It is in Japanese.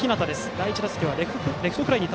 第１打席はレフトフライ。